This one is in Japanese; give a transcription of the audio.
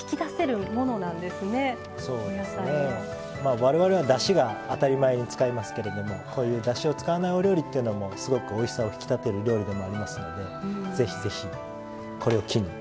我々はだしが当たり前に使いますけれどもこういうだしを使わないお料理っていうのもすごくおいしさを引き立てる料理でもありますのでぜひぜひこれを機に。